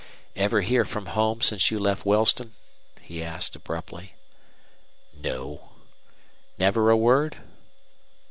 "Ever hear from home since you left Wellston?" he asked, abruptly. "No." "Never a word?"